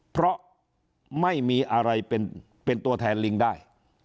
เพราะไม่มีอะไรเป็นตัวแทนลิงได้